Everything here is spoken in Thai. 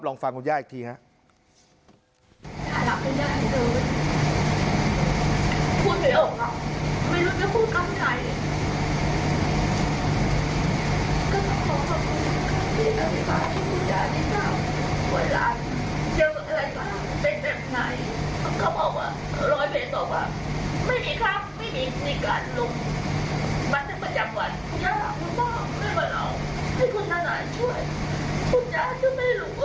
ฟังคุณย่าอีกทีครับ